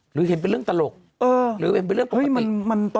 หรือเห็นเป็นเรื่องตลกเออหรือเห็นเป็นเรื่องปกติเฮ้ยมันมันตลกอ่ะมันไม่ใช่อ่ะ